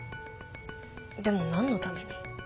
でも何のために？